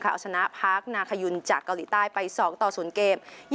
เอาชนะพาร์คนาคยุนจากเกาหลีใต้ไป๒ต่อ๐เกม